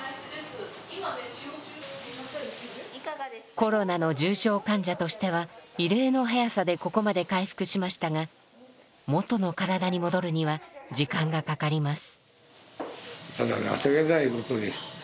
コロナの重症患者としては異例の早さでここまで回復しましたが元の体に戻るには時間がかかります。